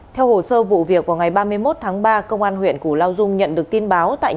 theo hồ sơ vụ việc vào ngày ba mươi một tháng ba công an huyện củ lao dung nhận được tin báo tại